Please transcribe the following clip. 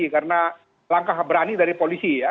karena langkah berani dari polisi ya